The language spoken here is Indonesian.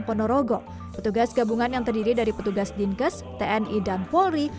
ponorogo petugas gabungan yang terdiri dari petugas dinkes tni dan polri